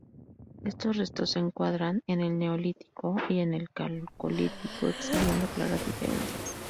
Estos restos se encuadran en el Neolítico y en el Calcolítico exhibiendo claras diferencias.